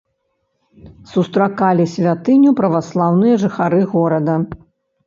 Сустракалі святыню праваслаўныя жыхары горада.